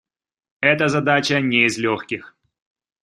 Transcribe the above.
Это задача не из легких.